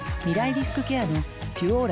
リスクケアの「ピュオーラ」